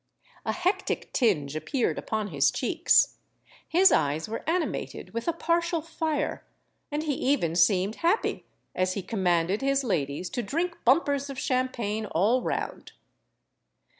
A hectic tinge appeared upon his cheeks; his eyes were animated with a partial fire; and he even seemed happy, as he commanded his ladies to drink bumpers of champagne all round.